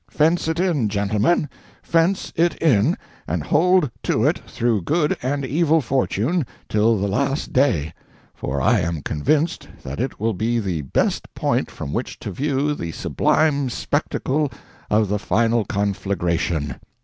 Fence it in, gentlemen—fence it in, and hold to it through good and evil fortune till the Last Day; for I am convinced that it will be the best point from which to view the sublime spectacle of the final conflagration.